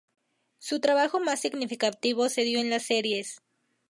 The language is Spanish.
Su trabajo más significativo se dio en las series.